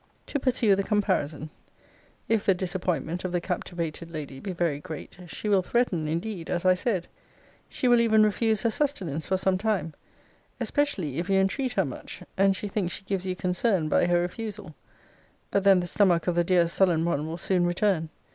To pursue the comparison If the disappointment of the captivated lady be very great, she will threaten, indeed, as I said: she will even refuse her sustenance for some time, especially if you entreat her much, and she thinks she gives you concern by her refusal. But then the stomach of the dear sullen one will soon return.